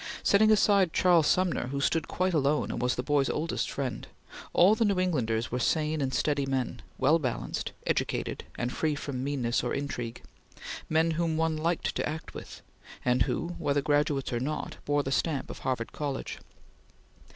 Setting aside Charles Sumner, who stood quite alone and was the boy's oldest friend, all the New Englanders were sane and steady men, well balanced, educated, and free from meanness or intrigue men whom one liked to act with, and who, whether graduates or not, bore the stamp of Harvard College.